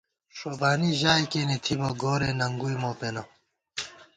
ݭوبانی ژائی کېنےتھِبہ ،گورےننگُوئی مو پېنہ